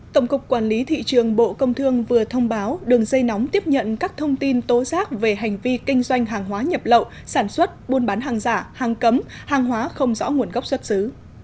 tổng cục quản lý thị trường bộ công thương vừa thông báo đường dây nóng tiếp nhận các thông tin tố giác về hành vi kinh doanh hàng hóa nhập lậu sản xuất buôn bán hàng giả hàng cấm hàng hóa không rõ nguồn gốc xuất xứ